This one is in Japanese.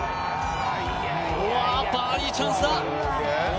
わー、バーディーチャンスだ。